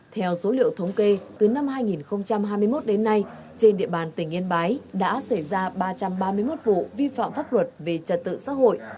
theo số liệu thống kê từ năm hai nghìn hai mươi một đến nay trên địa bàn tỉnh yên bái đã xảy ra ba trăm ba mươi một vụ vi phạm pháp luật về trật tự xã hội